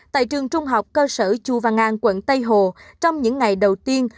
tại trường trung học cơ sở chu văn an quận tây hồ trong những ngày đầu tiên